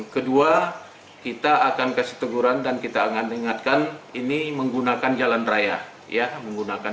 kedua kita akan kasih teguran dan kita akan ingatkan ini menggunakan jalan raya ya menggunakan